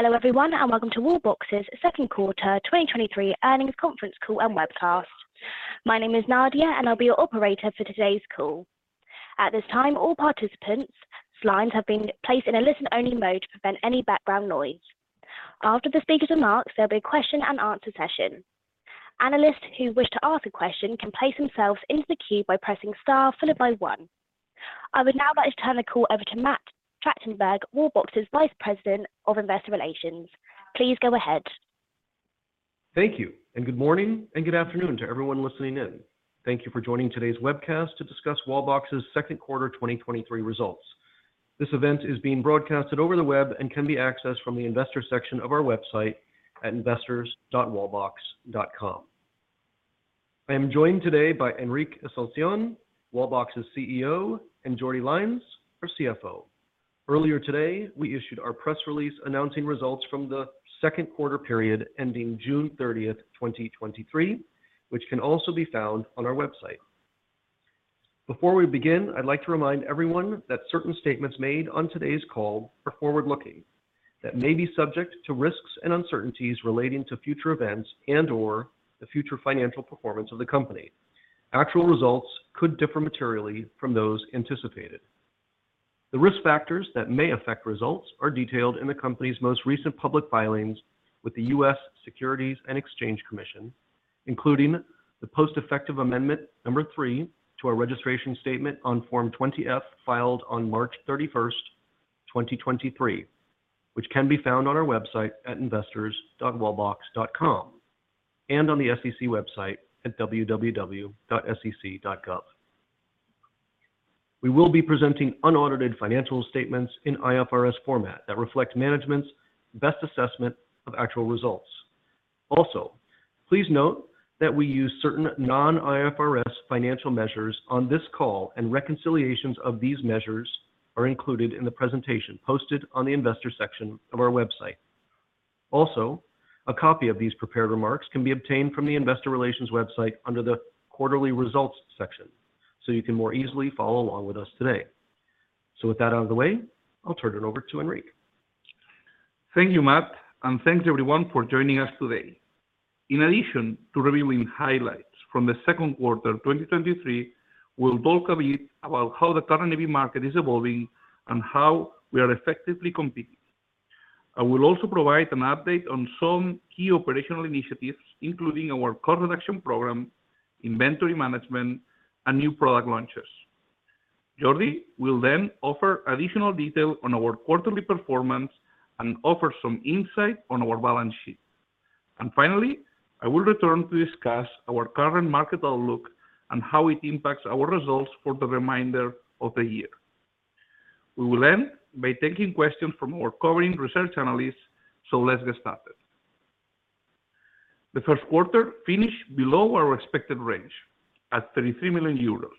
Hello, everyone, and welcome to Wallbox's second quarter, 2023 Earnings Conference Call and Webcast. My name is Nadia, and I'll be your operator for today's call. At this time, all participants' lines have been placed in a listen-only mode to prevent any background noise. After the speakers' remarks, there'll be a question and answer session. Analysts who wish to ask a question can place themselves into the queue by pressing star followed by one. I would now like to turn the call over to Matthew Tractenberg, Wallbox's Vice President of Investor Relations. Please go ahead. Thank you, good morning, and good afternoon to everyone listening in. Thank you for joining today's webcast to discuss Wallbox's second quarter 2023 results. This event is being broadcasted over the web and can be accessed from the investor section of our website at investors.wallbox.com. I am joined today by Enric Asunción, Wallbox's CEO, and Jordi Lainz, our CFO. Earlier today, we issued our press release announcing results from the second quarter period ending June 30th, 2023, which can also be found on our website. Before we begin, I'd like to remind everyone that certain statements made on today's call are forward-looking, that may be subject to risks and uncertainties relating to future events and/or the future financial performance of the company. Actual results could differ materially from those anticipated. The risk factors that may affect results are detailed in the company's most recent public filings with the U.S. Securities and Exchange Commission, including the post-effective amendment number three, to our registration statement on Form 20-F, filed on March 31, 2023, which can be found on our website at investors.wallbox.com and on the SEC website at www.sec.gov. We will be presenting unaudited financial statements in IFRS format that reflect management's best assessment of actual results. Please note that we use certain non-IFRS financial measures on this call, and reconciliations of these measures are included in the presentation posted on the investor section of our website. A copy of these prepared remarks can be obtained from the investor relations website under the quarterly results section, so you can more easily follow along with us today. With that out of the way, I'll turn it over to Enric. Thank you, Matt, and thanks everyone for joining us today. In addition to reviewing highlights from the second quarter 2023, we'll talk a bit about how the current EV market is evolving and how we are effectively competing. I will also provide an update on some key operational initiatives, including our cost reduction program, inventory management, and new product launches. Jordi will offer additional detail on our quarterly performance and offer some insight on our balance sheet. Finally, I will return to discuss our current market outlook and how it impacts our results for the remainder of the year. We will end by taking questions from our covering research analysts, so let's get started. The first quarter finished below our expected range at 33 million euros.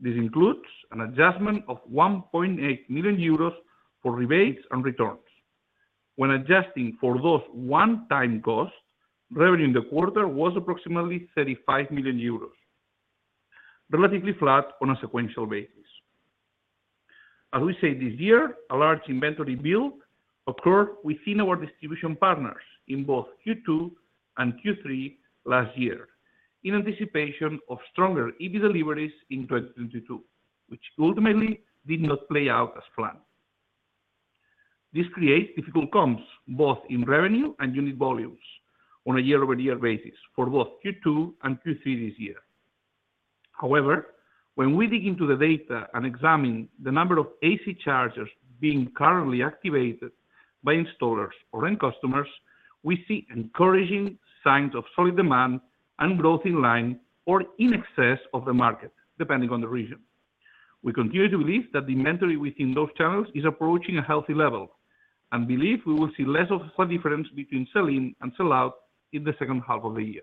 This includes an adjustment of 1.8 million euros for rebates and returns. When adjusting for those one-time costs, revenue in the quarter was approximately 35 million euros, relatively flat on a sequential basis. As we said this year, a large inventory build occurred within our distribution partners in both Q2 and Q3 last year, in anticipation of stronger EV deliveries in 2022, which ultimately did not play out as planned. This creates difficult comps, both in revenue and unit volumes, on a year-over-year basis for both Q2 and Q3 this year. However, when we dig into the data and examine the number of AC chargers being currently activated by installers or end customers, we see encouraging signs of solid demand and growth in line or in excess of the market, depending on the region. We continue to believe that the inventory within those channels is approaching a healthy level and believe we will see less of a difference between sell-in and sell-out in the second half of the year.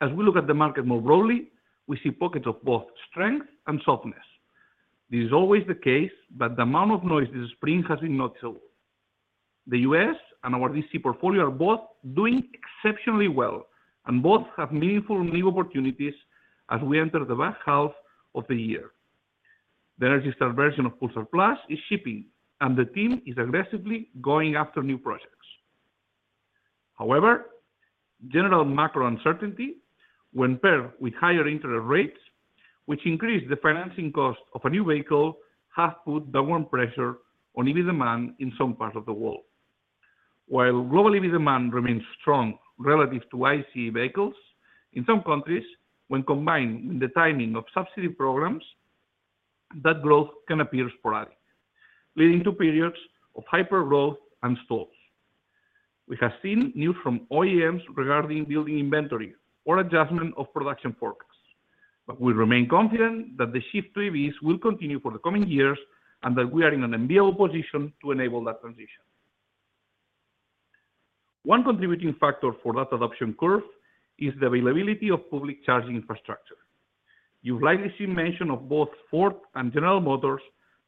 As we look at the market more broadly, we see pockets of both strength and softness. This is always the case, the amount of noise this spring has been notable. The U.S. and our D.C. portfolio are both doing exceptionally well, both have meaningful new opportunities as we enter the back half of the year. The ENERGY STAR version of Pulsar Plus is shipping, the team is aggressively going after new projects. However, general macro uncertainty, when paired with higher interest rates, which increase the financing cost of a new vehicle, have put downward pressure on EV demand in some parts of the world. While global EV demand remains strong relative to ICE vehicles, in some countries, when combined with the timing of subsidy programs, that growth can appear sporadic, leading to periods of hyper-growth and stalls. We have seen news from OEMs regarding building inventory or adjustment of production forecasts, but we remain confident that the shift to EVs will continue for the coming years and that we are in an enviable position to enable that transition. One contributing factor for that adoption curve is the availability of public charging infrastructure. You've likely seen mention of both Ford and General Motors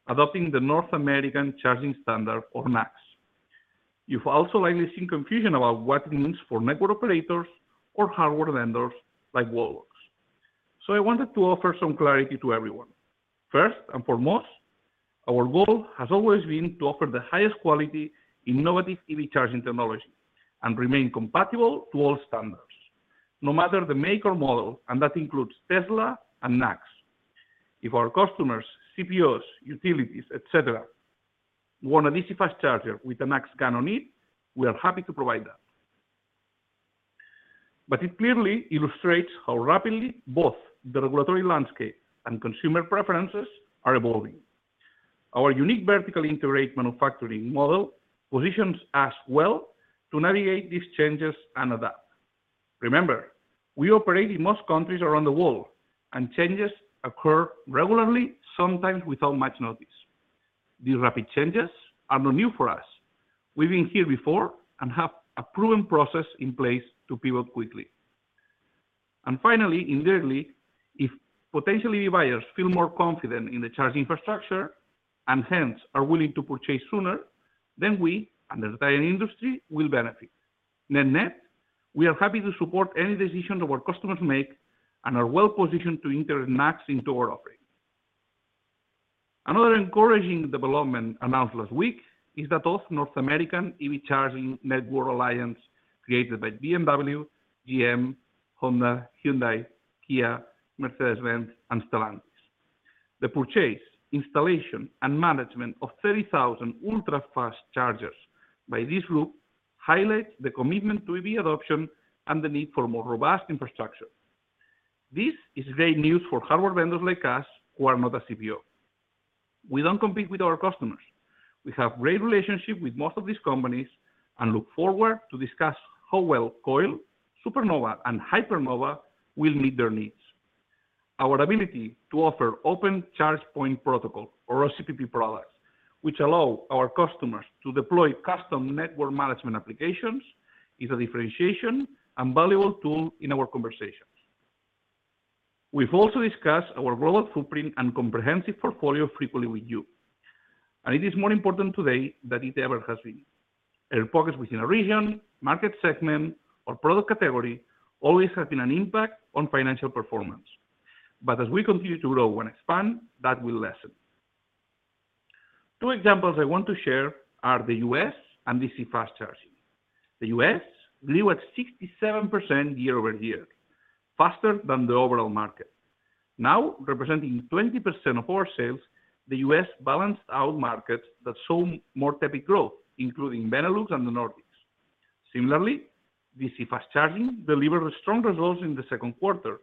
adopting the North American Charging Standard, or NACS. You've also likely seen confusion about what it means for network operators or hardware vendors like Wallbox. I wanted to offer some clarity to everyone. First and foremost, our goal has always been to offer the highest quality, innovative EV charging technology and remain compatible to all standards, no matter the make or model, that includes Tesla and NACS. If our customers, CPOs, utilities, et cetera, want an easy fast charger with a NACS gun on it, we are happy to provide that. It clearly illustrates how rapidly both the regulatory landscape and consumer preferences are evolving. Our unique vertical integrated manufacturing model positions us well to navigate these changes and adapt. Remember, we operate in most countries around the world, changes occur regularly, sometimes without much notice. These rapid changes are not new for us. We've been here before, have a proven process in place to pivot quickly. Finally, thirdly, if potential EV buyers feel more confident in the charging infrastructure and hence are willing to purchase sooner, then we, and the entire industry, will benefit. Net-net, we are happy to support any decision that our customers make and are well positioned to enter NACS into our offering. Another encouraging development announced last week is that of North American EV Charging Network Alliance, created by BMW, General Motors, Honda, Hyundai, Kia, Mercedes-Benz, and Stellantis. The purchase, installation, and management of 30,000 ultra-fast chargers by this group highlights the commitment to EV adoption and the need for more robust infrastructure. This is great news for hardware vendors like us who are not a CPO. We don't compete with our customers. We have great relationships with most of these companies and look forward to discuss how well COI, Supernova, and Hypernova will meet their needs. Our ability to offer Open Charge Point Protocol, or OCPP, products, which allow our customers to deploy custom network management applications, is a differentiation and valuable tool in our conversations. We've also discussed our global footprint and comprehensive portfolio frequently with you. It is more important today than it ever has been. Air pockets within a region, market segment, or product category always have an impact on financial performance. As we continue to grow and expand, that will lessen. Two examples I want to share are the U.S. and DC fast charging. The U.S. grew at 67% year-over-year, faster than the overall market. Now, representing 20% of our sales, the U.S. balanced out markets that saw more tepid growth, including Benelux and the Nordics. Similarly, DC fast charging delivered strong results in the second quarter,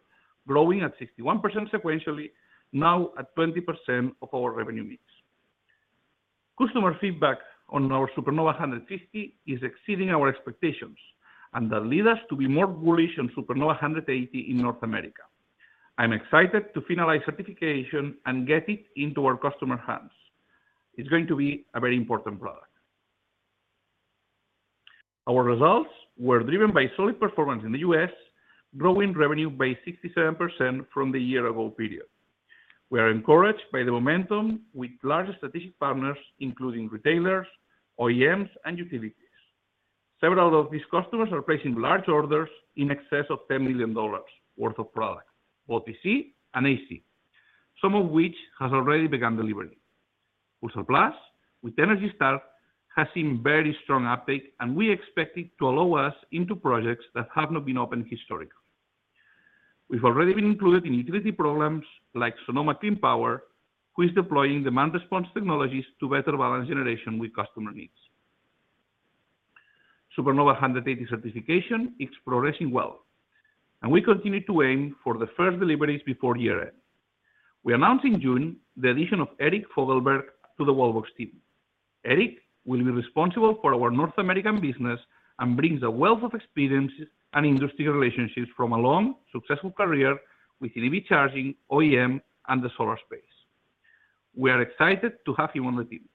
growing at 61% sequentially, now at 20% of our revenue mix. Customer feedback on our Supernova 150 is exceeding our expectations. That led us to be more bullish on Supernova 180 in North America. I'm excited to finalize certification and get it into our customer hands. It's going to be a very important product. Our results were driven by solid performance in the U.S., growing revenue by 67% from the year-ago period. We are encouraged by the momentum with large strategic partners, including retailers, OEMs, and utilities. Several of these customers are placing large orders in excess of $10 million worth of product, both DC and AC, some of which has already begun delivering. With surplus, with ENERGY STAR, has seen very strong uptake. We expect it to allow us into projects that have not been open historically. We've already been included in utility programs like Sonoma Clean Power, who is deploying demand response technologies to better balance generation with customer needs. Supernova 180 certification is progressing well. We continue to aim for the first deliveries before year-end. We announced in June the addition of Erik Fogelberg to the Wallbox team. Erik will be responsible for our North American business and brings a wealth of experience and industry relationships from a long, successful career with EV charging, OEM, and the solar space. We are excited to have him on the team.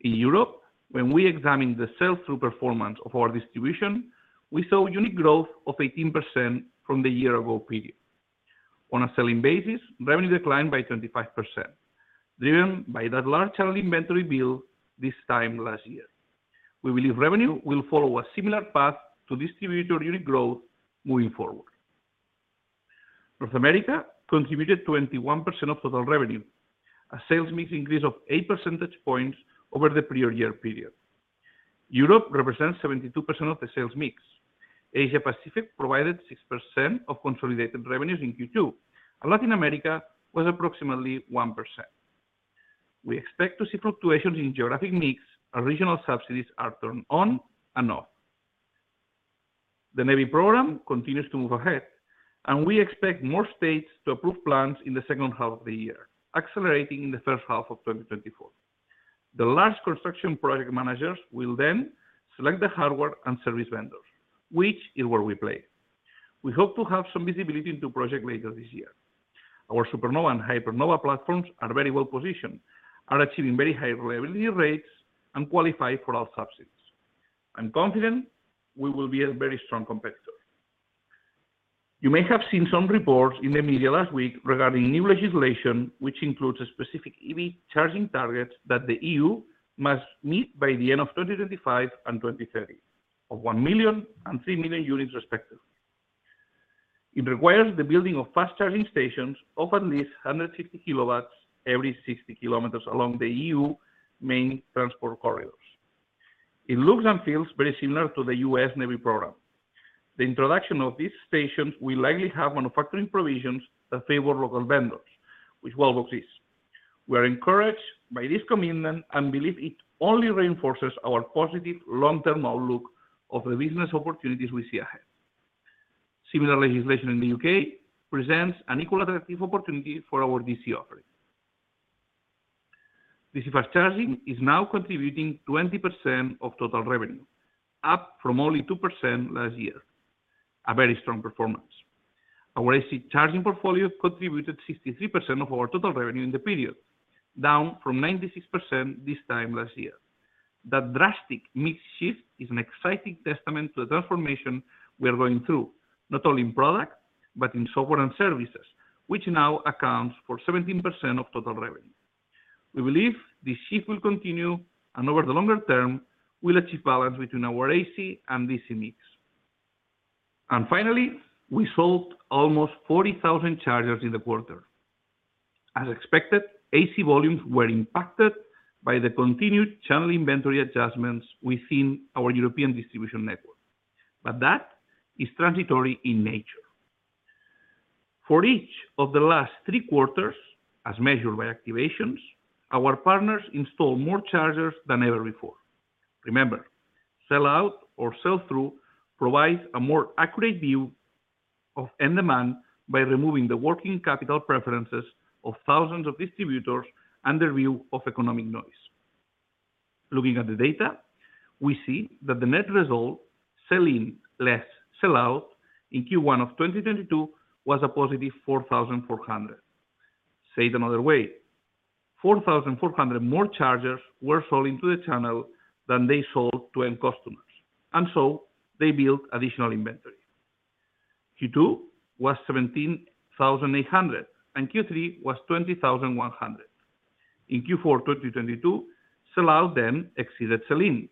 In Europe, when we examined the sell-through performance of our distribution, we saw unit growth of 18% from the year ago period. On a selling basis, revenue declined by 25%, driven by that large early inventory build this time last year. We believe revenue will follow a similar path to distributor unit growth moving forward. North America contributed 21% of total revenue, a sales mix increase of 8 percentage points over the prior year period. Europe represents 72% of the sales mix. Asia Pacific provided 6% of consolidated revenues in Q2, and Latin America was approximately 1%. We expect to see fluctuations in geographic mix as regional subsidies are turned on and off. The NEVI program continues to move ahead, and we expect more states to approve plans in the second half of the year, accelerating in the first half of 2024. The large construction project managers will then select the hardware and service vendors, which is where we play. We hope to have some visibility into projects later this year. Our Supernova and Hypernova platforms are very well-positioned, are achieving very high reliability rates, and qualify for all subsidies. I'm confident we will be a very strong competitor. You may have seen some reports in the media last week regarding new legislation, which includes a specific EV charging target that the EU must meet by the end of 2025 and 2030, of 1 million and 3 million units respective. It requires the building of fast charging stations of at least 150 kW every 60 km along the EU main transport corridors. It looks and feels very similar to the US NEVI program. The introduction of these stations will likely have manufacturing provisions that favor local vendors, which Wallbox is. We are encouraged by this commitment and believe it only reinforces our positive long-term outlook of the business opportunities we see ahead. Similar legislation in the U.K. presents an equal attractive opportunity for our DC offering. DC Fast Charging is now contributing 20% of total revenue, up from only 2% last year. A very strong performance. Our AC charging portfolio contributed 63% of our total revenue in the period, down from 96% this time last year. That drastic mix shift is an exciting testament to the transformation we are going through, not only in product, but in software and services, which now accounts for 17% of total revenue. We believe this shift will continue, over the longer term, we'll achieve balance between our AC and DC mix. Finally, we sold almost 40,000 chargers in the quarter. As expected, AC volumes were impacted by the continued channel inventory adjustments within our European distribution network. That is transitory in nature. For each of the last three quarters, as measured by activations, our partners installed more chargers than ever before. Remember, sell out or sell through provides a more accurate view of end demand by removing the working capital preferences of thousands of distributors and the view of economic noise. Looking at the data, we see that the net result, sell-in less sell-out, in Q1 of 2022 was a positive 4,400. Said another way, 4,400 more chargers were sold into the channel than they sold to end customers. They built additional inventory. Q2 was 17,800. Q3 was 20,100. In Q4 2022, sell-out then exceeded sell-in,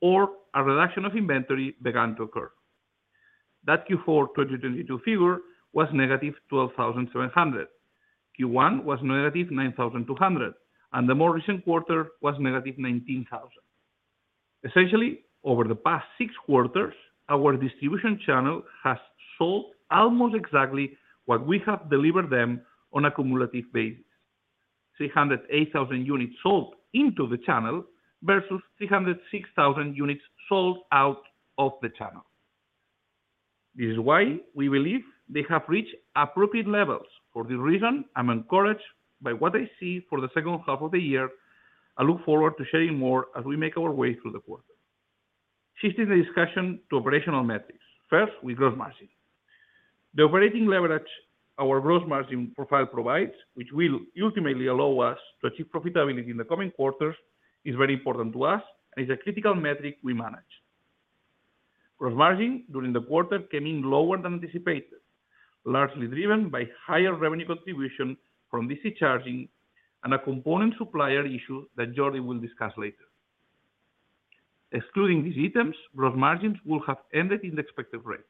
or a reduction of inventory began to occur. That Q4 2022 figure was -12,700. Q1 was -9,200. The more recent quarter was -19,000. Essentially, over the past six quarters, our distribution channel has sold almost exactly what we have delivered them on a cumulative basis. 308,000 units sold into the channel versus 306,000 units sold out of the channel. This is why we believe they have reached appropriate levels. For this reason, I'm encouraged by what I see for the second half of the year. I look forward to sharing more as we make our way through the quarter. Shifting the discussion to operational metrics. First, with gross margin. The operating leverage our gross margin profile provides, which will ultimately allow us to achieve profitability in the coming quarters, is very important to us and is a critical metric we manage. Gross margin during the quarter came in lower than anticipated, largely driven by higher revenue contribution from DC charging and a component supplier issue that Jordi will discuss later. Excluding these items, gross margins will have ended in the expected range.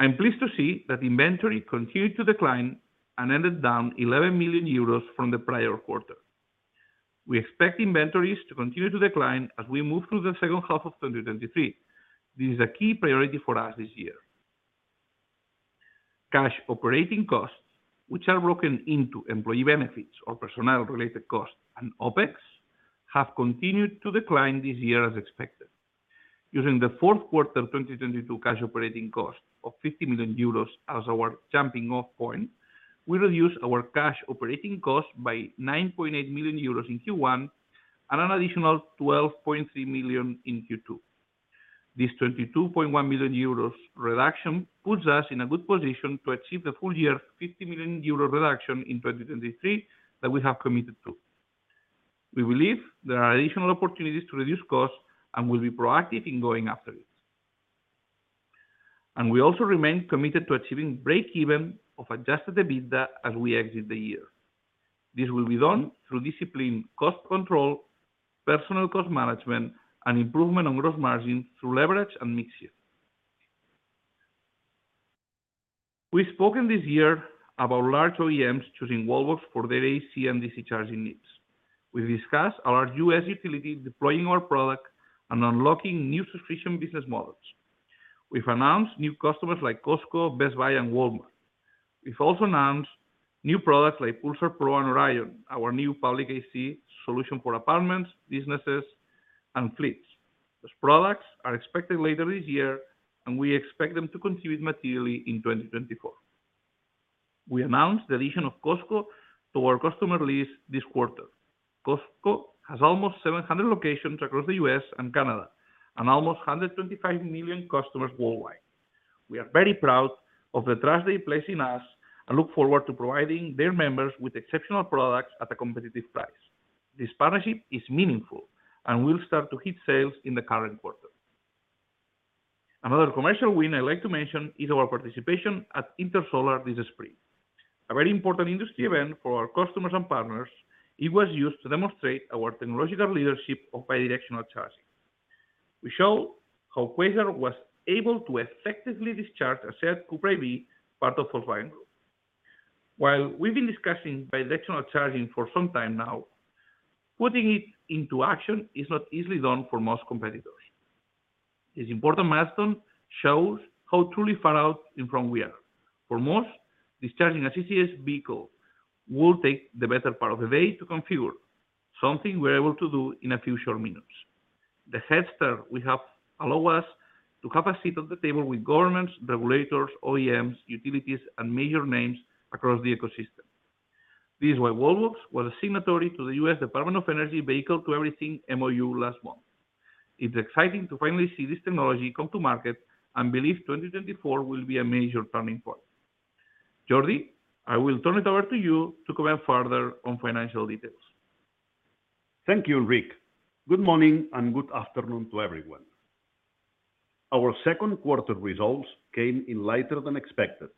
I am pleased to see that inventory continued to decline and ended down 11 million euros from the prior quarter. We expect inventories to continue to decline as we move through the second half of 2023. This is a key priority for us this year. Cash operating costs, which are broken into employee benefits or personnel-related costs and OpEx, have continued to decline this year as expected. Using the fourth quarter 2022 cash operating cost of 50 million euros as our jumping-off point, we reduced our cash operating cost by 9.8 million euros in Q1 and an additional 12.3 million in Q2. This 22.1 million euros reduction puts us in a good position to achieve the full year 50 million euro reduction in 2023 that we have committed to. We also remain committed to achieving breakeven of adjusted EBITDA as we exit the year. This will be done through disciplined cost control, personnel cost management, and improvement on gross margin through leverage and mix shift. We've spoken this year about large OEMs choosing Wallbox for their AC and DC charging needs. We've discussed our U.S. utility deploying our product and unlocking new subscription business models. We've announced new customers like Costco, Best Buy, and Walmart. We've also announced new products like Pulsar Pro and Orion, our new public AC solution for apartments, businesses, and fleets. Those products are expected later this year, and we expect them to contribute materially in 2024. We announced the addition of Costco to our customer list this quarter. Costco has almost 700 locations across the U.S. and Canada, and almost 125 million customers worldwide. We are very proud of the trust they place in us and look forward to providing their members with exceptional products at a competitive price.... This partnership is meaningful and will start to hit sales in the current quarter. Another commercial win I'd like to mention is our participation at Intersolar this spring. A very important industry event for our customers and partners, it was used to demonstrate our technological leadership of bidirectional charging. We showed how Quasar was able to effectively discharge a SEAT CUPRA-e, part of Volkswagen group. While we've been discussing bidirectional charging for some time now, putting it into action is not easily done for most competitors. This important milestone shows how truly far out in front we are. For most, discharging a CCS vehicle will take the better part of the day to configure, something we're able to do in a few short minutes. The head start we have allow us to have a seat at the table with governments, regulators, OEMs, utilities, and major names across the ecosystem. This is why Wallbox was a signatory to the U.S. Department of Energy Vehicle-to-Everything MOU last month. It's exciting to finally see this technology come to market, and believe 2024 will be a major turning point. Jordi, I will turn it over to you to comment further on financial details. Thank you, Enric. Good morning, good afternoon to everyone. Our second quarter results came in lighter than expected,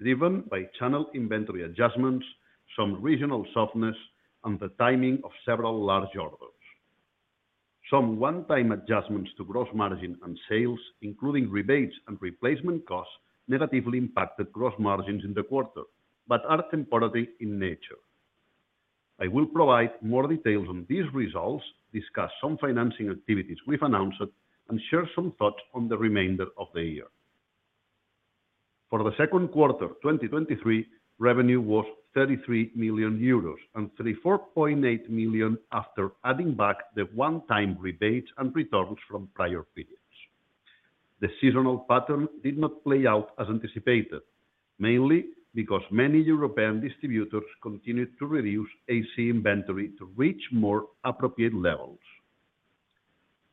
driven by channel inventory adjustments, some regional softness, and the timing of several large orders. Some one-time adjustments to gross margin and sales, including rebates and replacement costs, negatively impacted gross margins in the quarter, but are temporary in nature. I will provide more details on these results, discuss some financing activities we've announced, and share some thoughts on the remainder of the year. For the second quarter, 2023, revenue was 33 million euros, and 34.8 million after adding back the one-time rebates and returns from prior periods. The seasonal pattern did not play out as anticipated, mainly because many European distributors continued to reduce AC inventory to reach more appropriate levels.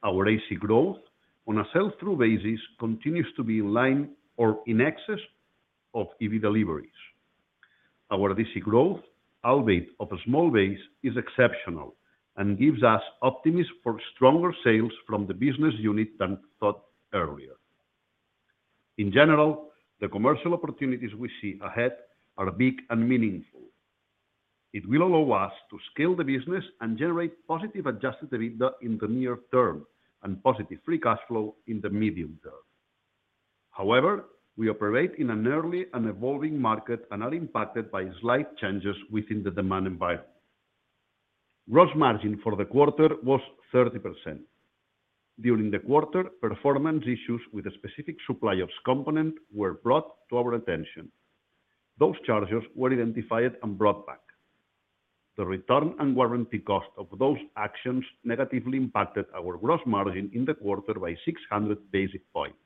Our AC growth on a sell-through basis continues to be in line or in excess of EV deliveries. Our DC growth, albeit of a small base, is exceptional and gives us optimism for stronger sales from the business unit than thought earlier. In general, the commercial opportunities we see ahead are big and meaningful. It will allow us to scale the business and generate positive adjusted EBITDA in the near term, and positive free cash flow in the medium term. We operate in an early and evolving market and are impacted by slight changes within the demand environment. Gross margin for the quarter was 30%. During the quarter, performance issues with a specific supplier's component were brought to our attention. Those chargers were identified and brought back. The return and warranty cost of those actions negatively impacted our gross margin in the quarter by 600 basic points.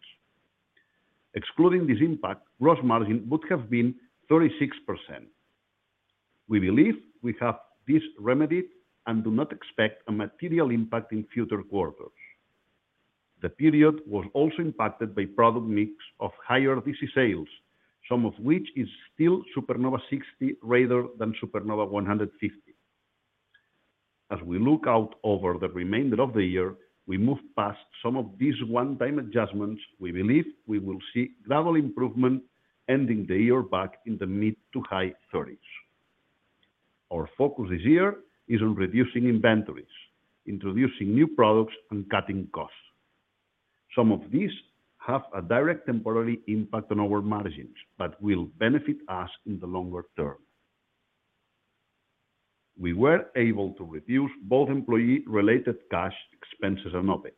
Excluding this impact, gross margin would have been 36%. We believe we have this remedied and do not expect a material impact in future quarters. The period was also impacted by product mix of higher DC sales, some of which is still Supernova 60 rather than Supernova 150. As we look out over the remainder of the year, we move past some of these one-time adjustments, we believe we will see gradual improvement ending the year back in the mid to high 30's. Our focus this year is on reducing inventories, introducing new products, and cutting costs. Some of these have a direct temporary impact on our margins, but will benefit us in the longer term. We were able to reduce both employee-related cash expenses and OpEx.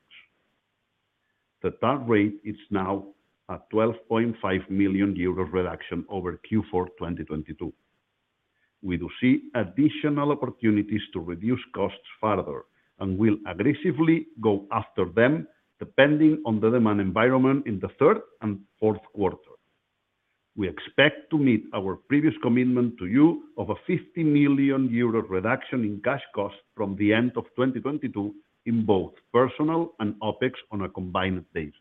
The target rate is now at 12.5 million euros reduction over Q4 2022. We do see additional opportunities to reduce costs further, and will aggressively go after them, depending on the demand environment in the third and fourth quarter. We expect to meet our previous commitment to you of a 50 million euro reduction in cash costs from the end of 2022 in both personal and OpEx on a combined basis.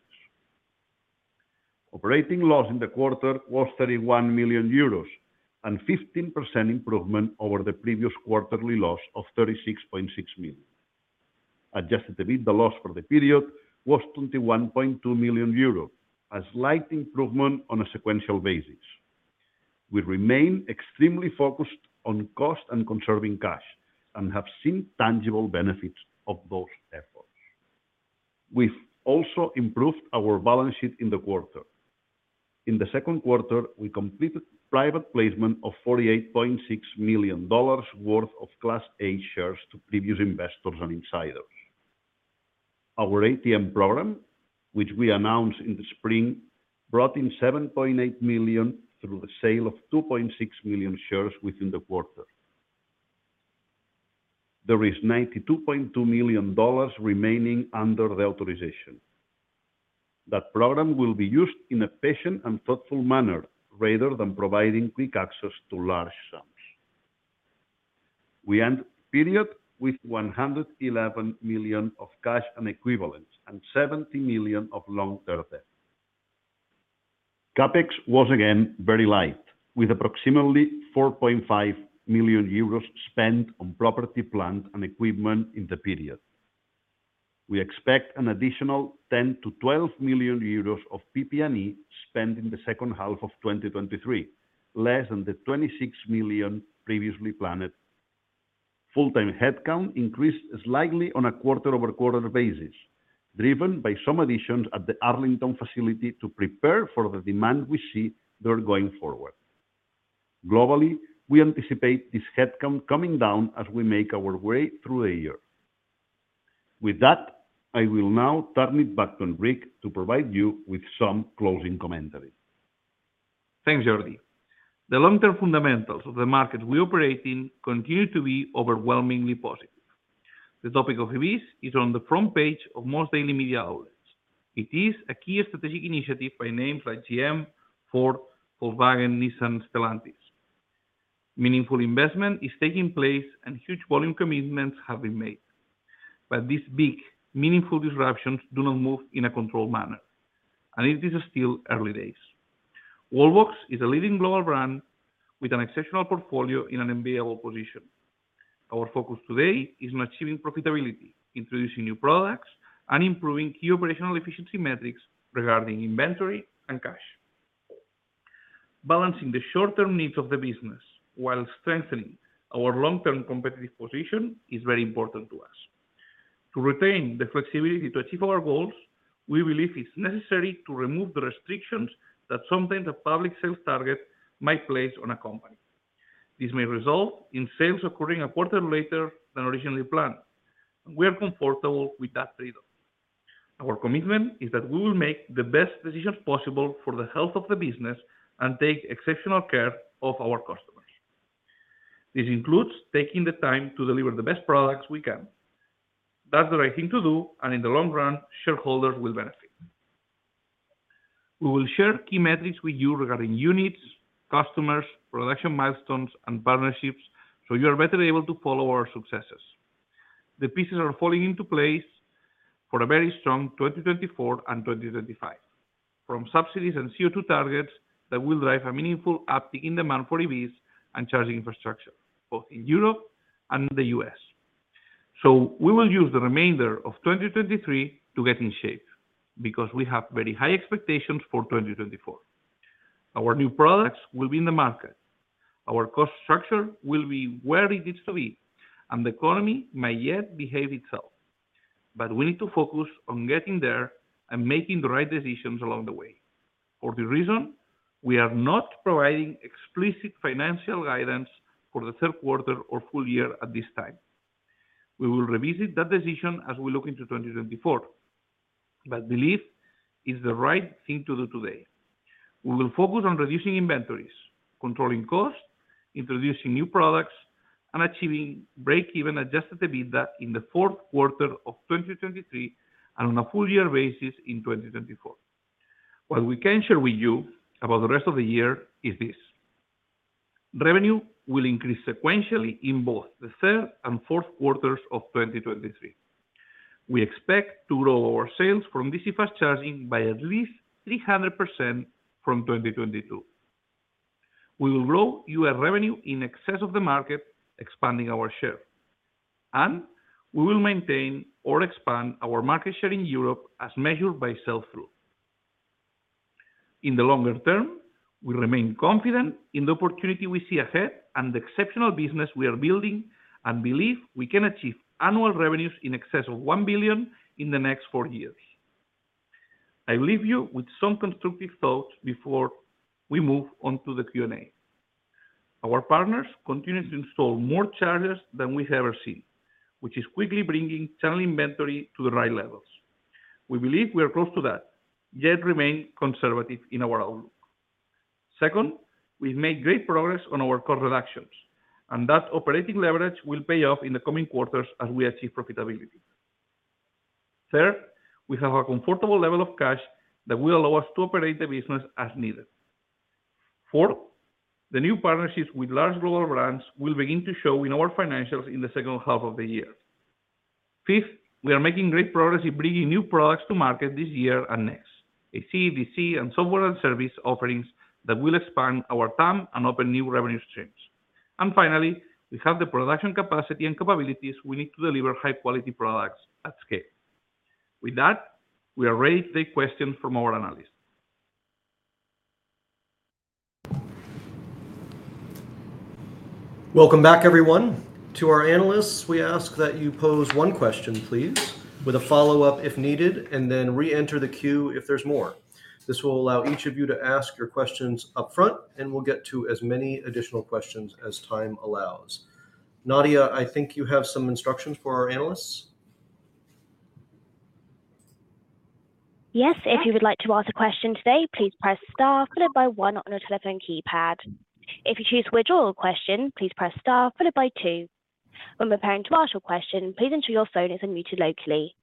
Operating loss in the quarter was 31 million euros, and 15% improvement over the previous quarterly loss of 36.6 million. Adjusted to meet, the loss for the period was 21.2 million euros, a slight improvement on a sequential basis. We remain extremely focused on cost and conserving cash, and have seen tangible benefits of those efforts. We've also improved our balance sheet in the quarter. In the second quarter, we completed private placement of $48.6 million worth of Class A shares to previous investors and insiders. Our ATM program, which we announced in the spring, brought in $7.8 million through the sale of 2.6 million shares within the quarter. There is $92.2 million remaining under the authorization. That program will be used in a patient and thoughtful manner rather than providing quick access to large sums. We end the period with $111 million of cash and equivalents, and $70 million of long-term debt. CapEx was again very light, with approximately 4.5 million euros spent on property, plant, and equipment in the period. We expect an additional 10 million-12 million euros of PP&E spent in the second half of 2023, less than the 26 million previously planned. Full-time headcount increased slightly on a quarter-over-quarter basis, driven by some additions at the Arlington facility to prepare for the demand we see there going forward. Globally, we anticipate this headcount coming down as we make our way through the year. With that, I will now turn it back on Rick to provide you with some closing commentary. Thanks, Jordi. The long-term fundamentals of the market we operate in continue to be overwhelmingly positive. The topic of EVs is on the front page of most daily media outlets. It is a key strategic initiative by names like GM, Ford, Volkswagen, Nissan, Stellantis. Meaningful investment is taking place, and huge volume commitments have been made. These big, meaningful disruptions do not move in a controlled manner, and it is still early days. Wallbox is a leading global brand with an exceptional portfolio in an enviable position. Our focus today is on achieving profitability, introducing new products, and improving key operational efficiency metrics regarding inventory and cash. Balancing the short-term needs of the business while strengthening our long-term competitive position is very important to us. To retain the flexibility to achieve our goals, we believe it's necessary to remove the restrictions that sometimes a public sales target might place on a company. This may result in sales occurring a quarter later than originally planned. We are comfortable with that freedom. Our commitment is that we will make the best decisions possible for the health of the business and take exceptional care of our customers. This includes taking the time to deliver the best products we can. That's the right thing to do, and in the long run, shareholders will benefit. We will share key metrics with you regarding units, customers, production milestones, and partnerships, so you are better able to follow our successes. The pieces are falling into place for a very strong 2024 and 2025, from subsidies and CO2 targets that will drive a meaningful uptick in demand for EVs and charging infrastructure, both in Europe and the U.S. We will use the remainder of 2023 to get in shape, because we have very high expectations for 2024. Our new products will be in the market, our cost structure will be where it needs to be, and the economy may yet behave itself. We need to focus on getting there and making the right decisions along the way. For this reason, we are not providing explicit financial guidance for the third quarter or full year at this time. We will revisit that decision as we look into 2024, but believe it's the right thing to do today. We will focus on reducing inventories, controlling costs, introducing new products, and achieving break-even adjusted EBITDA in the fourth quarter of 2023, and on a full year basis in 2024. What we can share with you about the rest of the year is this: revenue will increase sequentially in both the third and fourth quarters of 2023. We expect to grow our sales from DC fast charging by at least 300% from 2022. We will grow our revenue in excess of the market, expanding our share, and we will maintain or expand our market share in Europe as measured by sell-through. In the longer term, we remain confident in the opportunity we see ahead and the exceptional business we are building, and believe we can achieve annual revenues in excess of $1 billion in the next four years. I leave you with some constructive thoughts before we move on to the Q&A. Our partners continue to install more chargers than we've ever seen, which is quickly bringing channel inventory to the right levels. We believe we are close to that, yet remain conservative in our outlook. Second, we've made great progress on our cost reductions, and that operating leverage will pay off in the coming quarters as we achieve profitability. Third, we have a comfortable level of cash that will allow us to operate the business as needed. Fourth, the new partnerships with large global brands will begin to show in our financials in the second half of the year. Fifth, we are making great progress in bringing new products to market this year and next, AC, DC, and software and service offerings that will expand our TAM and open new revenue streams. Finally, we have the production capacity and capabilities we need to deliver high-quality products at scale. With that, we are ready to take questions from our analysts. Welcome back, everyone. To our analysts, we ask that you pose one question, please, with a follow-up if needed, and then reenter the queue if there's more. This will allow each of you to ask your questions upfront, and we'll get to as many additional questions as time allows. Nadia, I think you have some instructions for our analysts? Yes, if you would like to ask a question today, please press star followed by one on your telephone keypad. If you choose to withdraw a question, please press star followed by two. When preparing to ask your question, please ensure your phone is unmuted locally.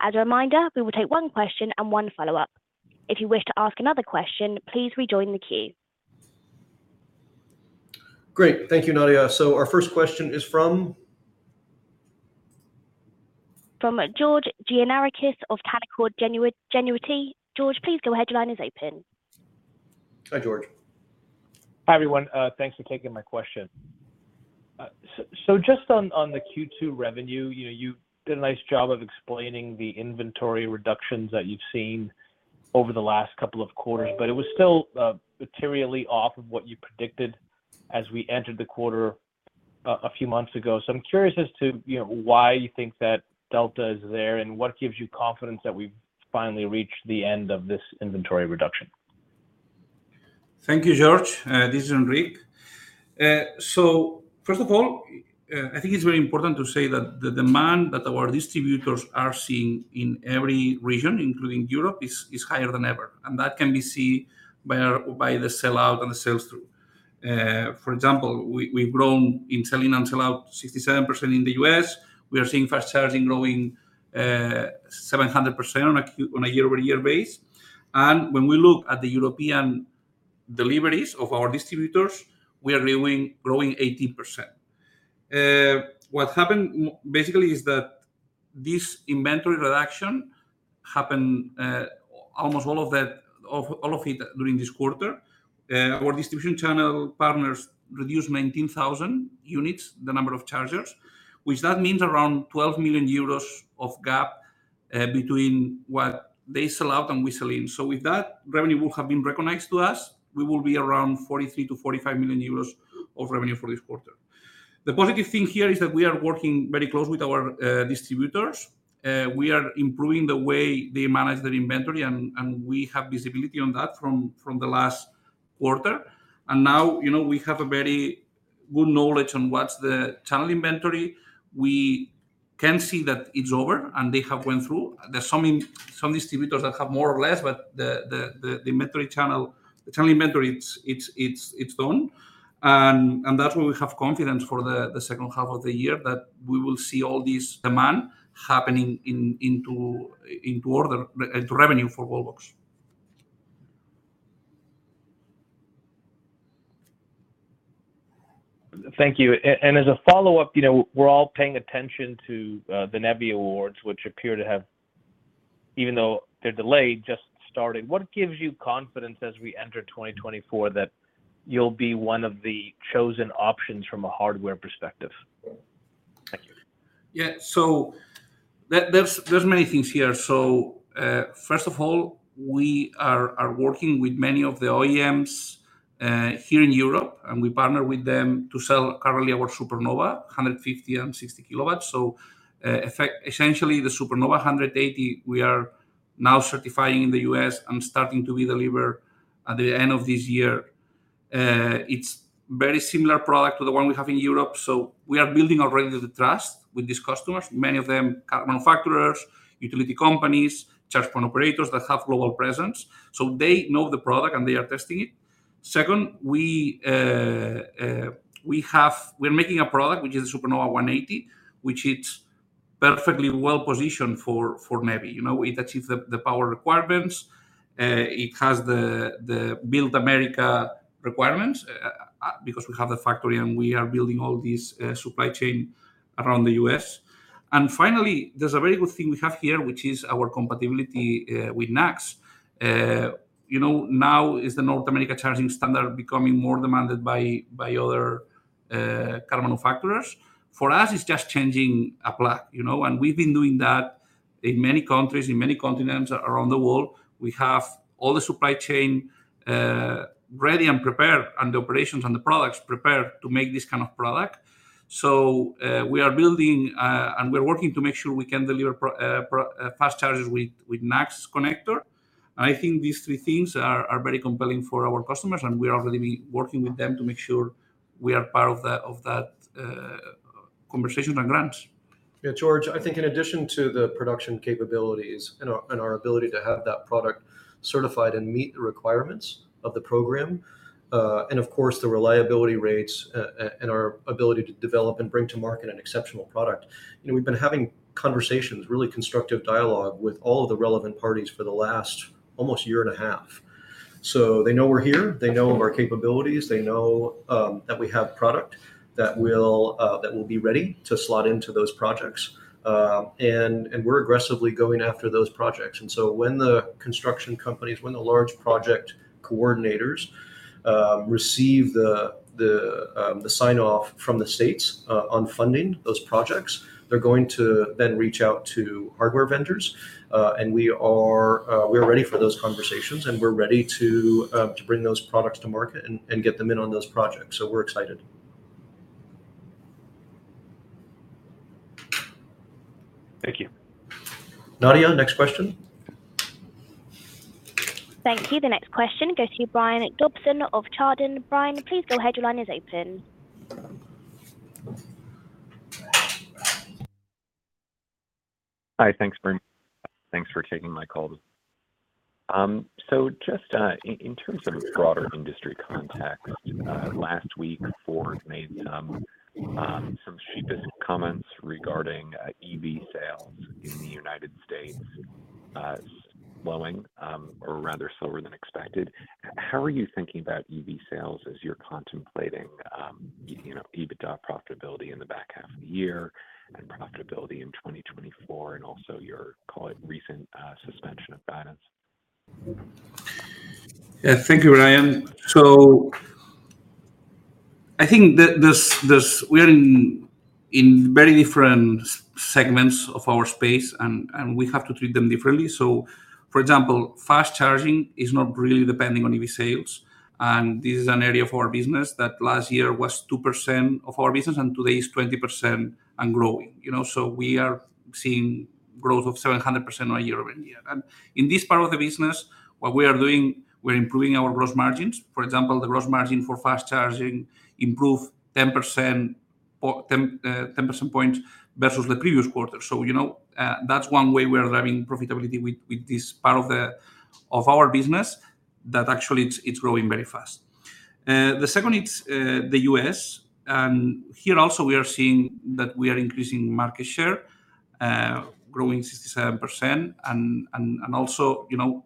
As a reminder, we will take one question and one follow-up. If you wish to ask another question, please rejoin the queue. Great. Thank you, Nadia. Our first question is from? From George Gianarikas of Canaccord Genuity. George, please go ahead, line is open. Hi, George. Hi, everyone. Thanks for taking my question. So just on, on the Q2 revenue, you know, you did a nice job of explaining the inventory reductions that you've seen over the last couple of quarters, but it was still materially off of what you predicted as we entered the quarter a few months ago. I'm curious as to, you know, why you think that delta is there, and what gives you confidence that we've finally reached the end of this inventory reduction? Thank you, George. This is Enric. First of all, I think it's very important to say that the demand that our distributors are seeing in every region, including Europe, is higher than ever, and that can be seen by the sell-out and the sell-through. For example, we've grown in selling and sell-out 67% in the U.S. We are seeing fast charging growing 700% on a year-over-year base. When we look at the European deliveries of our distributors, we are growing 18%. What happened basically is that this inventory reduction happened almost all of it during this quarter. Our distribution channel partners reduced 19,000 units, the number of chargers, which that means around 12 million euros of gap between what they sell-out and we sell-in. With that, revenue will have been recognized to us. We will be around 43 million-45 million euros of revenue for this quarter. The positive thing here is that we are working very closely with our distributors. We are improving the way they manage their inventory, and we have visibility on that from the last quarter. Now, you know, we have a very good knowledge on what's the channel inventory. We can see that it's over, and they have went through. There are some distributors that have more or less, but the inventory channel, the channel inventory, it's done. That's why we have confidence for the, the second half of the year, that we will see all this demand happening in, into, into order, into revenue for Wallbox. Thank you. As a follow-up, you know, we're all paying attention to the NEVI awards, which appear to have, even though they're delayed, just started. What gives you confidence as we enter 2024, that you'll be one of the chosen options from a hardware perspective? Thank you. Yeah. There, there's, there's many things here. First of all, we are working with many of the OEMs, here in Europe, and we partner with them to sell currently our Supernova 150 and 60 kW. Essentially, the Supernova 180, we are now certifying in the U.S. and starting to be delivered at the end of this year. It's very similar product to the one we have in Europe, so we are building already the trust with these customers, many of them car manufacturers, utility companies, charge point operators that have global presence. They know the product, and they are testing it. Second, we, we're making a product, which is the Supernova 180, which it's perfectly well positioned for, for NEVI. You know, it achieves the, the power requirements. It has the, the Build America requirements, because we have the factory, and we are building all these supply chain around the U.S. Finally, there's a very good thing we have here, which is our compatibility with NACS. You know, now is the North American Charging Standard becoming more demanded by, by other car manufacturers. For us, it's just changing a plug, you know, and we've been doing that in many countries, in many continents around the world. We have all the supply chain ready and prepared, and the operations and the products prepared to make this kind of product. We are building, and we're working to make sure we can deliver fast chargers with, with NACS connector. I think these three things are very compelling for our customers, and we are already working with them to make sure we are part of that, of that conversation and grants. Yeah, George, I think in addition to the production capabilities and our, and our ability to have that product certified and meet the requirements of the program, and of course, the reliability rates, and our ability to develop and bring to market an exceptional product, you know, we've been having conversations, really constructive dialogue with all of the relevant parties for the last almost year and a half. They know we're here. They know our capabilities. They know that we have product that will be ready to slot into those projects. And we're aggressively going after those projects. When the construction companies, when the large project coordinators, receive the, the, the sign-off from the states on funding those projects, they're going to then reach out to hardware vendors. We are, we're ready for those conversations, and we're ready to, to bring those products to market and, and get them in on those projects. We're excited. Thank you. Nadia, next question. Thank you. The next question goes to Brian Dobson of Chardan. Brian, please go ahead. Your line is open. Hi, thanks, Nadia. Thanks for taking my call. Just, in, in terms of broader industry context, last week, Ford made some, some sheepish comments regarding, EV sales in the United States, slowing, or rather slower than expected. How are you thinking about EV sales as you're contemplating, you know, EBITDA profitability in the back half of the year and profitability in 2024, and also your, call it, recent, suspension of guidance? Yeah, thank you, Brian. I think that this, we are in very different segments of our space and we have to treat them differently. For example, fast charging is not really depending on EV sales, and this is an area of our business that last year was 2% of our business, and today is 20% and growing. You know, we are seeing growth of 700% on a year-over-year. In this part of the business, what we are doing, we're improving our gross margins. For example, the gross margin for fast charging improved 10% or 10 percent points versus the previous quarter. You know, that's one way we are driving profitability with this part of our business, that actually it's growing very fast. The second, it's the U.S., and here also we are seeing that we are increasing market share, growing 67%. Also, you know,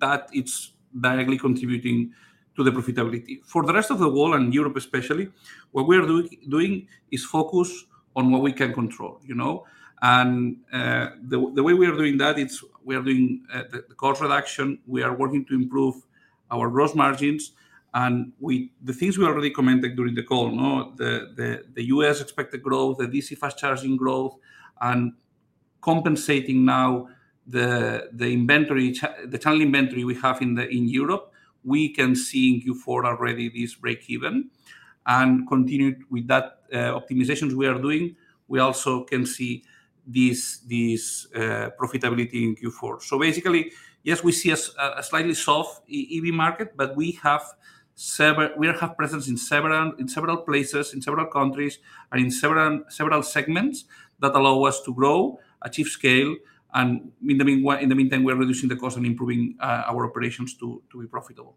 that it's directly contributing to the profitability. For the rest of the world and Europe especially, what we are doing is focus on what we can control, you know? The way we are doing that, it's, we are doing the cost reduction, we are working to improve our gross margins, and the things we already commented during the call, the U.S. expected growth, the DC fast charging growth, and compensating now the inventory, the channel inventory we have in Europe. We can see in Q4 already this breakeven, and continued with that, optimizations we are doing, we also can see this, this profitability in Q4. Basically, yes, we see a slightly soft EV market. We have presence in several, in several places, in several countries, and in several, several segments that allow us to grow, achieve scale, and in the meantime, we are reducing the cost and improving our operations to, to be profitable.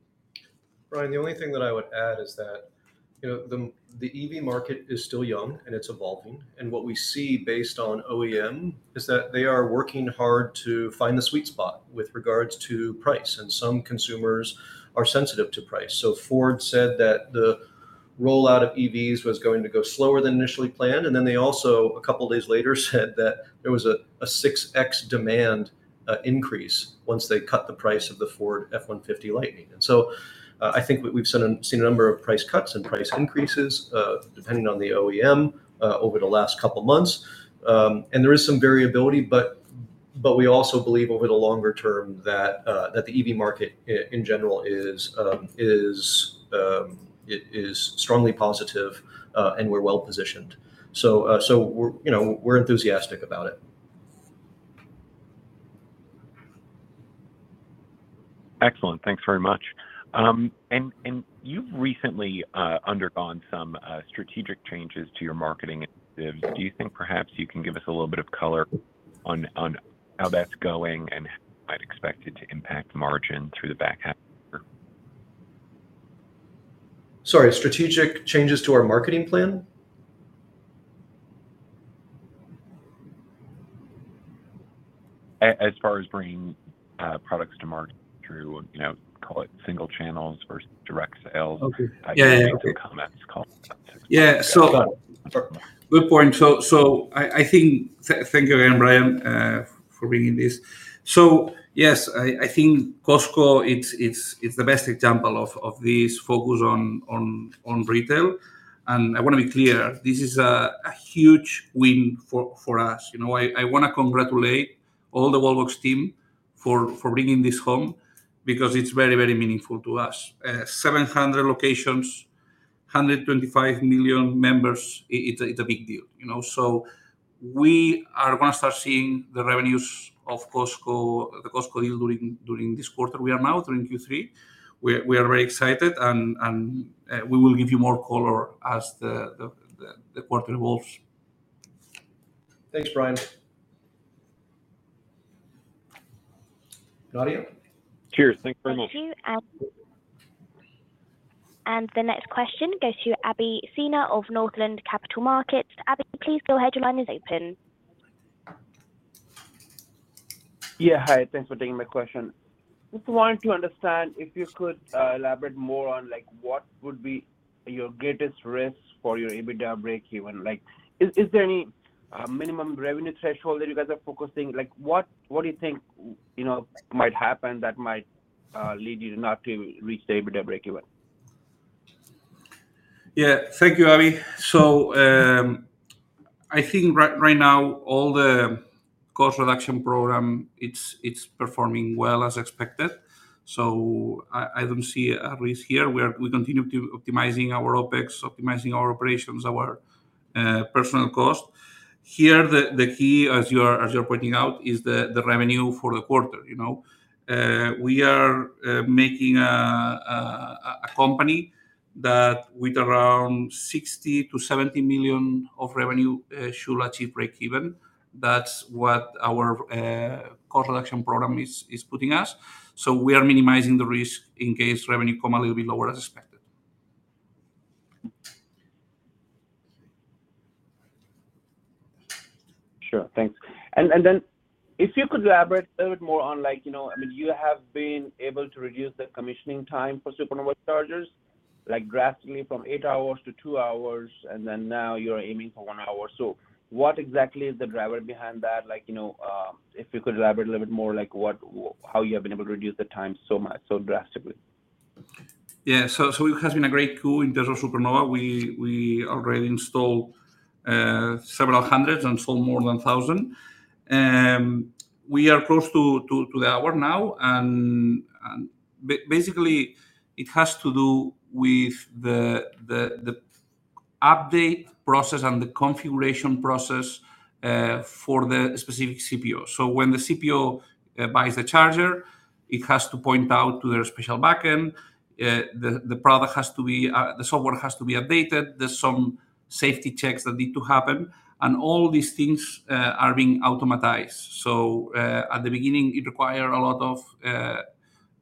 Brian, the only thing that I would add is that, you know, the, the EV market is still young, and it's evolving. What we see based on OEM is that they are working hard to find the sweet spot with regards to price, and some consumers are sensitive to price. Ford said that the rollout of EVs was going to go slower than initially planned, and then they also, a couple of days later, said that there was a 6x demand increase once they cut the price of the Ford F-150 Lightning. I think we, we've seen a, seen a number of price cuts and price increases, depending on the OEM, over the last couple of months. There is some variability, but, but we also believe over the longer term that, that the EV market in general is, is, it is strongly positive, and we're well positioned. We're, you know, we're enthusiastic about it. Excellent. Thanks very much. You've recently undergone some strategic changes to your marketing initiatives. Do you think perhaps you can give us a little bit of color on how that's going and how you might expect it to impact margin through the back half of the year? Sorry, strategic changes to our marketing plan? As far as bringing, products to market through, you know, call it single channels versus direct sales. Okay. Yeah, yeah. Type of things or comments, call it. Yeah. Go on. good point. I think, thank you again, Brian, for bringing this. Yes, I think Costco, it's the best example of this focus on retail. I wanna be clear, this is a huge win for us. You know, I wanna congratulate all the Wallbox team for bringing this home because it's very meaningful to us. 700 locations, 125 million members, it's a big deal, you know? We are gonna start seeing the revenues of Costco, the Costco deal during this quarter. We are now during Q3. We are very excited, and we will give you more color as the quarter evolves. Thanks, Brian. Nadia? Cheers. Thank you very much. Thank you. The next question goes to Abhishek Sinha of Northland Capital Markets. Abhi, please go ahead. Your line is open. Yeah, hi. Thanks for taking my question. Just wanted to understand if you could elaborate more on like, what would be your greatest risk for your EBITDA breakeven? Like, is, is there any minimum revenue threshold that you guys are focusing? Like, what, what do you think, you know, might happen that might lead you not to reach the EBITDA breakeven? Yeah. Thank you, Abhi. I think right now, all the cost reduction program, it's, it's performing well as expected, so I don't see a risk here. We continue to optimizing our OpEx, optimizing our operations, our personal cost. Here, the, the key, as you are, as you're pointing out, is the, the revenue for the quarter, you know. We are making a company that with around 60 million-70 million of revenue should achieve breakeven. That's what our cost reduction program is, is putting us. We are minimizing the risk in case revenue come a little bit lower as expected. Sure. Thanks. Then if you could elaborate a little bit more on, like, you know, I mean, you have been able to reduce the commissioning time for Supernova chargers, like drastically from 8 hours- 2 hours, and then now you're aiming for 1 hour. What exactly is the driver behind that? Like, you know, if you could elaborate a little bit more, like what, how you have been able to reduce the time so much, so drastically? Yeah. It has been a great tool in terms of Supernova. We, we already installed several hundreds and sold more than 1,000. We are close to, to, to the hour now, basically, it has to do with the, the, the update process and the configuration process for the specific CPO. When the CPO buys the charger, it has to point out to their special backend, the, the product has to be, the software has to be updated, there's some safety checks that need to happen, and all these things are being automatized. At the beginning, it required a lot of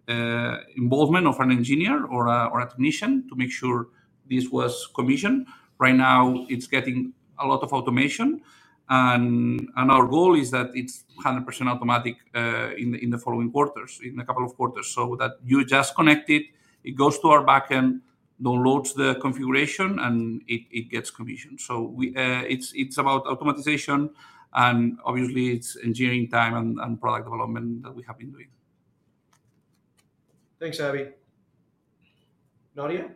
involvement of an engineer or a, or a technician to make sure this was commissioned. Right now, it's getting a lot of automation, and, and our goal is that it's 100% automatic in the following quarters, in a couple of quarters. That you just connect it, it goes to our backend, downloads the configuration, and it, it gets commissioned. We, it's, it's about automatization, and obviously, it's engineering time and, and product development that we have been doing. Thanks, Abhi. Nadia?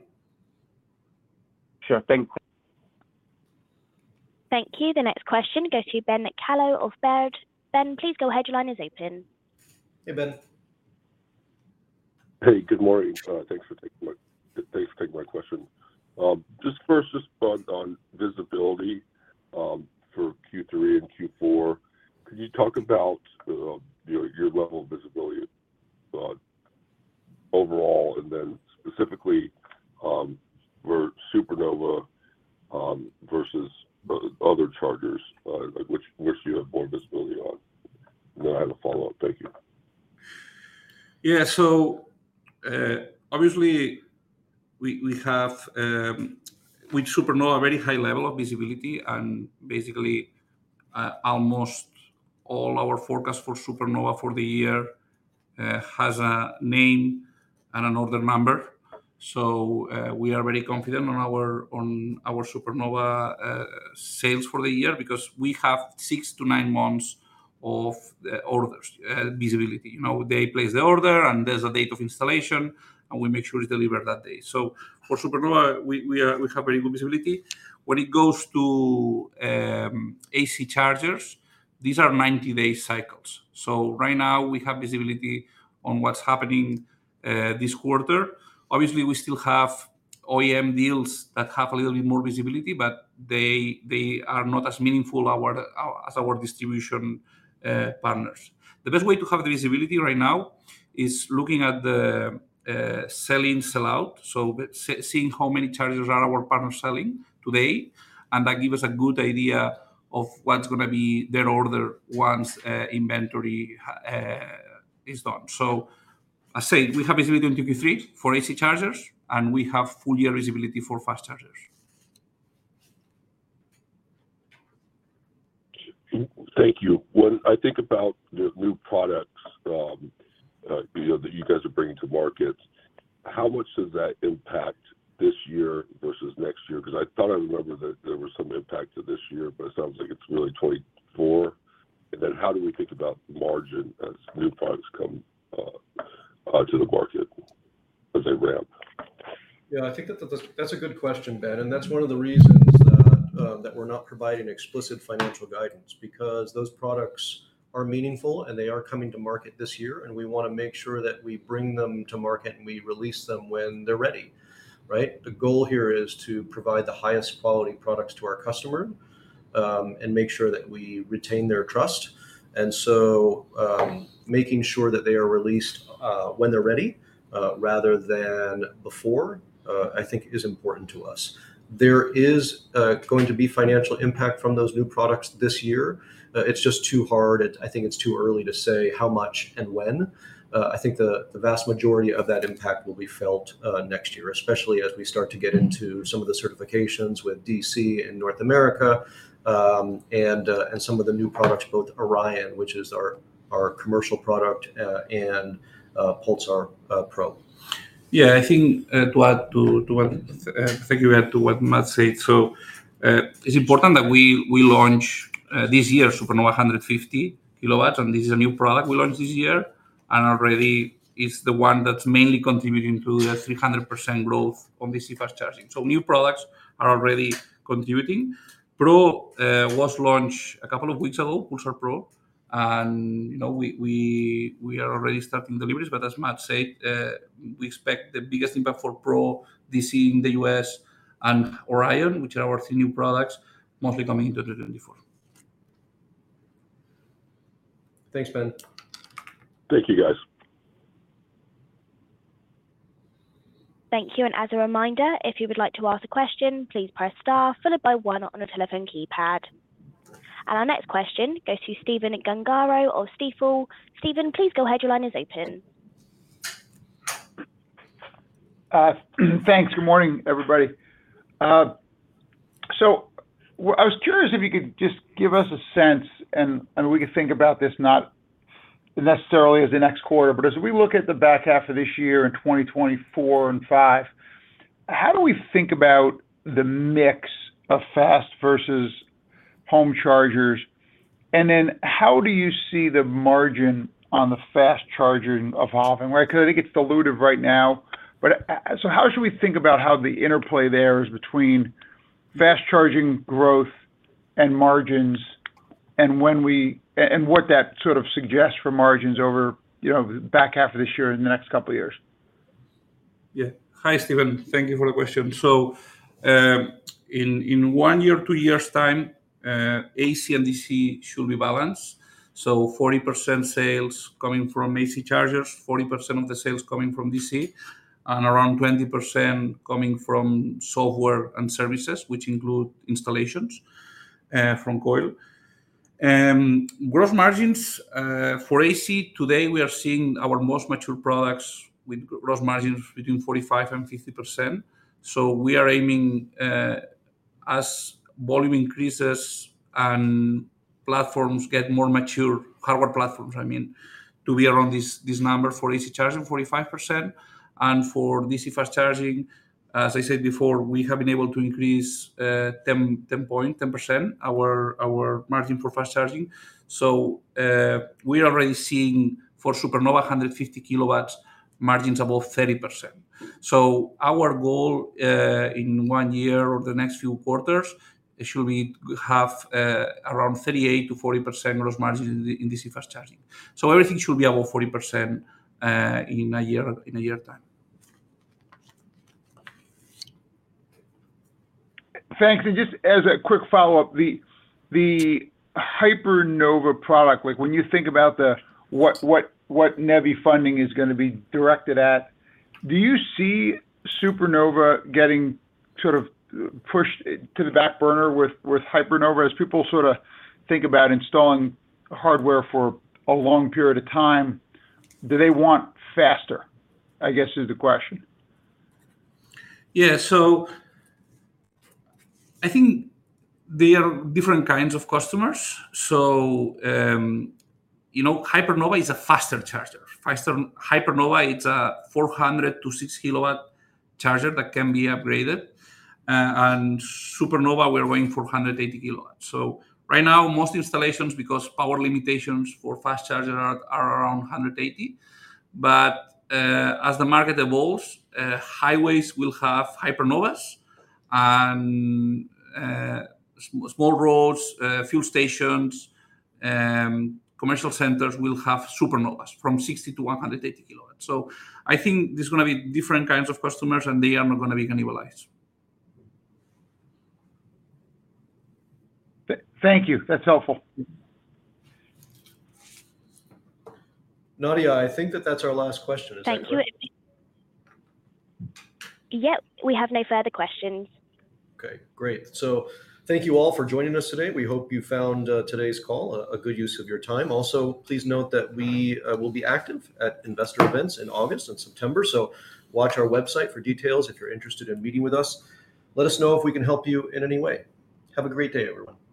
Sure. Thanks. Thank you. The next question goes to Ben Kallo of Baird. Ben, please go ahead. Your line is open. Hey, Ben. Hey, good morning. thanks for taking my, thanks for taking my question. just first, just on, on visibility, for Q3 and Q4, could you talk about, your, your level of visibility, overall, and then specifically, for Supernova, versus other chargers, like which, which you have more visibility on? Then I have a follow-up. Thank you. Yeah. Obviously, we, we have, with Supernova, a very high level of visibility, and basically, almost all our forecast for Supernova for the year, has a name and an order number. We are very confident on our, on our Supernova, sales for the year because we have six - nine months of the orders, visibility. You know, they place the order, and there's a date of installation, and we make sure it's delivered that day. For Supernova, we have very good visibility. When it goes to, AC chargers, these are 90-day cycles. Right now, we have visibility on what's happening, this quarter. Obviously, we still have OEM deals that have a little bit more visibility, but they, they are not as meaningful our, as our distribution, partners. The best way to have the visibility right now is looking at the selling sell-out, so seeing how many chargers are our partners selling today, and that give us a good idea of what's gonna be their order once inventory is done. I say we have visibility in Q3 for AC chargers, and we have full year visibility for fast chargers. Thank you. When I think about the new products, you know, that you guys are bringing to market, how much does that impact this year versus next year? 'Cause I thought I remember that there was some impact to this year, but it sounds like it's really 2024. Then how do we think about margin as new products come, to the market as they ramp? Yeah, I think that, that's a good question, Ben, that's one of the reasons that we're not providing explicit financial guidance because those products are meaningful, and they are coming to market this year, and we wanna make sure that we bring them to market, and we release them when they're ready, right? The goal here is to provide the highest quality products to our customer, and make sure that we retain their trust. So, making sure that they are released when they're ready, rather than before, I think is important to us. There is going to be financial impact from those new products this year. It's just too hard, and I think it's too early to say how much and when. I think the, the vast majority of that impact will be felt, next year, especially as we start to get into some of the certifications with DC in North America, and, and some of the new products, both Orion, which is our, our commercial product, and, Pulsar Pro. Yeah, I think, to add to, to what, thank you, Ben, to what Matt said, so, it's important that we, we launch this year, Supernova 150 kW, and this is a new product we launched this year, and already it's the one that's mainly contributing to the 300% growth on DC fast charging. New products are already contributing. Pro, was launched a couple of weeks ago, Pulsar Pro, and you know, we, we, we are already starting deliveries, but as Matt said, we expect the biggest impact for Pro DC in the U.S. and Orion, which are our three new products, mostly coming into 2024. Thanks, Ben. Thank you, guys. Thank you, and as a reminder, if you would like to ask a question, please press star followed by one on the telephone keypad. Our next question goes to Stephen Gengaro of Stifel. Stephen, please go ahead. Your line is open. Thanks. Good morning, everybody. so I was curious if you could just give us a sense, and, and we could think about this not necessarily as the next quarter, but as we look at the back half of this year, in 2024 and 2025, how do we think about the mix of fast versus home chargers? Then how do you see the margin on the fast charging evolving? Right, 'cause I think it's dilutive right now, but, so how should we think about how the interplay there is between fast charging growth and margins, and when we and what that sort of suggests for margins over, you know, back half of this year and the next couple of years? Yeah. Hi, Stephen. Thank you for the question. In one year, two years' time, AC and DC should be balanced. 40% sales coming from AC chargers, 40% of the sales coming from DC, and around 20% coming from software and services, which include installations from COI. Gross margins for AC, today, we are seeing our most mature products with gross margins between 45% and 50%. We are aiming, as volume increases and platforms get more mature, hardware platforms, I mean, to be around this, this number for AC charging, 45%. For DC fast charging, as I said before, we have been able to increase 10%, our margin for fast charging. We are already seeing, for Supernova 150 kW margins above 30%. Our goal, in one year or the next few quarters, it should be half, around 38%-40% gross margins in DC fast charging. Everything should be above 40% in a year, in a year time. Thanks. Just as a quick follow-up, the, the Hypernova product, like when you think about the, what, what, what NEVI funding is gonna be directed at, do you see Supernova getting sort of, pushed, to the back burner with, with Hypernova, as people sorta think about installing hardware for a long period of time? Do they want faster, I guess, is the question. Yeah. I think they are different kinds of customers. You know, Hypernova is a faster charger. Hypernova, it's a 400 kW-6 kW charger that can be upgraded. Supernova, we're going for 180 kW. Right now, most installations, because power limitations for fast chargers are, are around 180 kW. As the market evolves, highways will have Hypernovas, and small roads, fuel stations, commercial centers will have Supernovas from 60 kW-180 kW. I think there's gonna be different kinds of customers, and they are not gonna be cannibalized. Thank you. That's helpful. Nadia, I think that that's our last question. Is that right? Thank you. Yep, we have no further questions. Okay, great. Thank you all for joining us today. We hope you found today's call a good use of your time. Also, please note that we will be active at investor events in August and September, so watch our website for details if you're interested in meeting with us. Let us know if we can help you in any way. Have a great day, everyone!